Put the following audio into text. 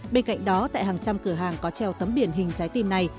bên cạnh đó tại hàng trăm cửa hàng có treo tấm biển hình trái tim này